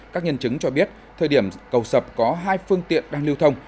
các nhân chứng cho biết thời điểm cầu sập có hai phương tiện đang lưu thông